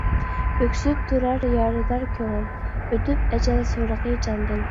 ئۆكسۈپ تۇرار يارىدار كۆڭۈل، ئۆتۈپ ئەجەل سورىقى جاندىن.